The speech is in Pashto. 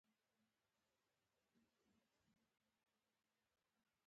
که د دې ځمکې متوسطه ګټه پنځه ویشت سلنه وي